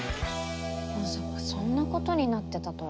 まさかそんなことになってたとは。